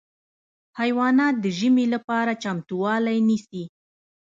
حیوانات د ژمي لپاره چمتووالی نیسي.